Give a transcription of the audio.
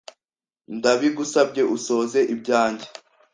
Ndabigusabye Usoze ibyanjye